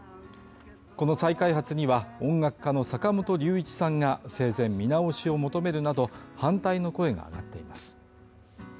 この再開発には、音楽家の坂本龍一さんが生前見直しを求めるなど、反対の声が上がっています。